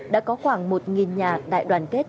đã có khoảng một nhà đại đoàn kết